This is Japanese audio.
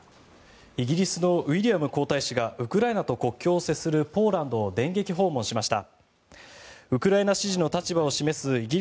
イギリスのウィリアム皇太子がウクライナと国境を接するポーランドを電撃訪問しました。